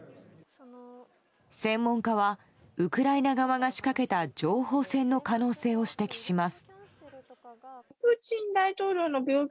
専門家はウクライナ側が仕掛けた情報戦の可能性を指摘します。